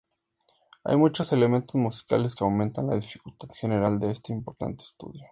Hay muchos elementos musicales que aumentan la dificultad general de este importante estudio.